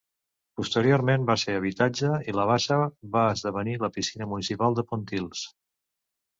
Posteriorment va ser habitatge i la bassa va esdevenir la piscina municipal de Pontils.